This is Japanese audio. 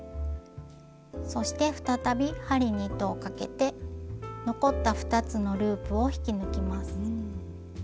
そして再び針に糸をかけて残った２つのループを引き抜きます。